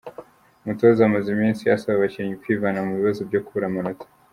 Umutoza amaze iminsi asaba abakinnyi kwivana mu bibazo byo kubura amanota.